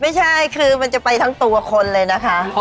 ไม่ใช่คือมันจะไปทั้งตัวคนเลยนะคะ